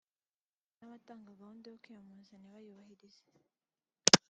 ngo hari n’abatangaga gahunda yo kwiyamamaza ntibayubahirize